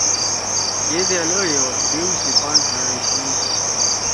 کہ دأل آئیو ڈیؤ سی پان ہاڙشنیِن۔